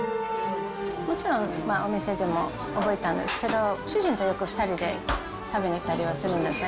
もちろん、お店でも覚えたんですけど、主人とよく２人で食べに行ったりはするんですね。